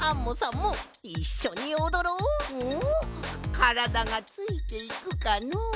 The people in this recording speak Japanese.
からだがついていくかのう？